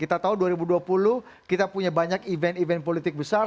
kita tahu dua ribu dua puluh kita punya banyak event event politik besar